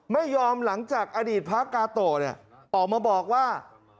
ไม่ยอมหลังจากอดีตพระกาโตออกมาบอกว่า